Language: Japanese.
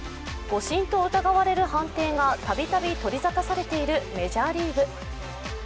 誤診と疑われる判定がたびたび取りざたされているメジャーリーグ。